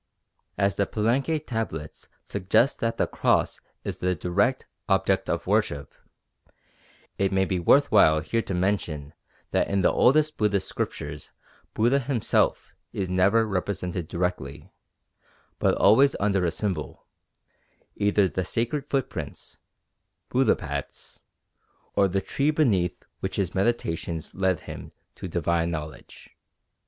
As the Palenque tablets suggest that the "Cross" is the direct object of worship, it may be worth while here to mention that in the oldest Buddhist sculptures Buddha himself is never represented directly, but always under a symbol; either the sacred footprints Buddha pats or the tree beneath which his meditations led him to divine knowledge.